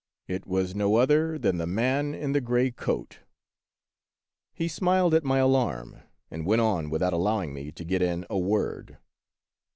It was no other than the man in the gray coat ! He smiled at my alarm, and went on without allowing me to get in a word.